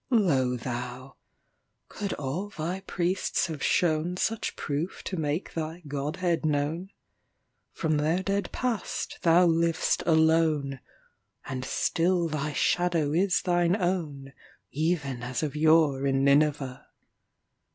Lo thou! could all thy priests have shownSuch proof to make thy godhead known? From their dead Past thou liv'st alone; And still thy shadow is thine ownEven as of yore in Nineveh.